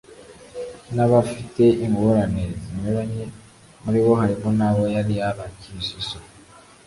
n' abafi te ingorane zinyuranye. Muri bo harimo n'abo yari yarakijije.